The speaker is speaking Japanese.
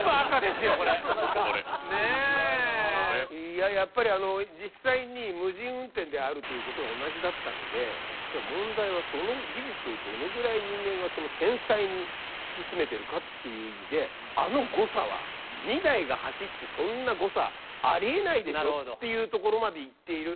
いややっぱり実際に無人運転であるということは同じだったので問題はその技術をどのぐらい人間が繊細に突き詰めてるかっていう意味であの誤差は２台が走ってそんな誤差ありえないでしょっていうところまでいっている。